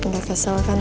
gak kesel kan